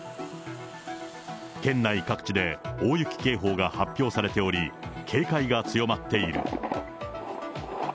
県内各地で大雪警報が発表されており、警戒が強まっている。